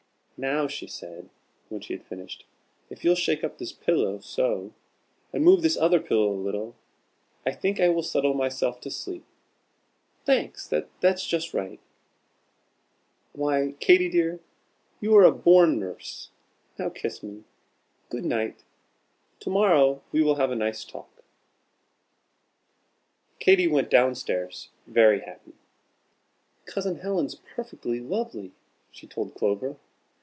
"Now," she said, when she had finished, "if you'll shake up this pillow, so; and move this other pillow a little, I think I will settle myself to sleep. Thanks that's just right. Why, Katy dear, you are a born nurse Now kiss me. Good night! To morrow we will have a nice talk." Katy went down stairs very happy. "Cousin Helen's perfectly lovely," she told Clover.